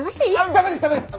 ダメですダメです！